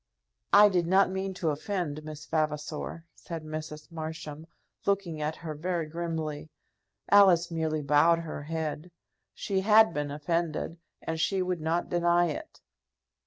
"I did not mean to offend Miss Vavasor," said Mrs. Marsham, looking at her very grimly. Alice merely bowed her head. She had been offended, and she would not deny it.